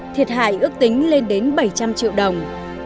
thiệt hại ước tính lên đến bảy trăm linh triệu đồng